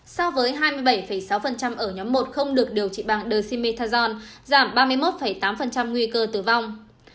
so với hai mươi bảy sáu ở nhóm một không được điều trị bằng dexamethasone giảm ba mươi một tám nguy cơ tử vong